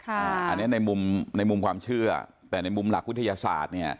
อันนี้ในมุมความเชื่อแต่ในมุมหลักวิทยาศาสตร์